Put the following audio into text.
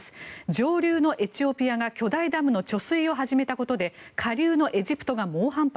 上流のエチオピアが巨大ダムの貯水を始めたことで下流のエジプトが猛反発。